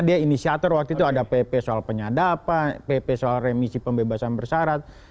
karena dia inisiator waktu itu ada pp soal penyadapan pp soal remisi pembebasan persarat